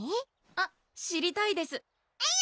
あっ知りたいですえる！